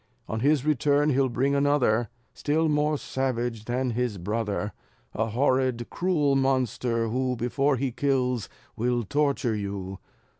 On his return he'll bring another, Still more savage than his brother: A horrid, cruel monster, who, Before he kills, will torture you.